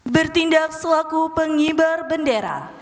bertindak selaku pengibar bendera